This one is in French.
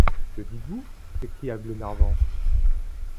Que dites-vous? s’écria Glenarvan.